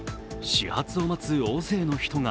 始発を待つ大勢の人が。